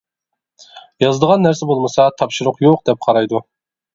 «يازىدىغان» نەرسە بولمىسا، تاپشۇرۇق يوق دەپ قارايدۇ.